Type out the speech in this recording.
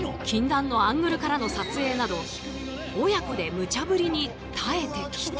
禁断のアングルからの撮影など親子でムチャぶりに耐えてきた。